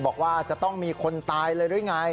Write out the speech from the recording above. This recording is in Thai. บอกว่าจะต้องมีคนตายเลยหรือไง